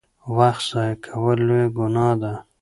وخت ضایع کول لویه ګناه ده.